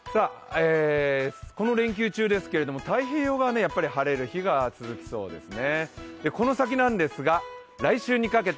この連休中ですけれども太平洋側は晴れる日が続きそうですね。